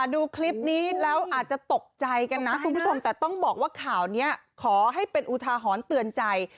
ดูคลิปนี้แล้วอาจจะตกใจกันนะคุณผู้ชมแต่ต้องบอกว่าข่าวนี้ขอให้เป็นอุทาหรณ์เตือนใจ